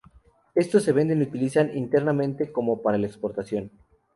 Estos se venden y utilizan tanto internamente como para la exportación.